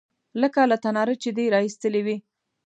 _لکه له تناره چې دې را ايستلې وي.